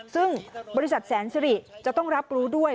ซึ่งบริษัทแสนสิริจะต้องรับรู้ด้วย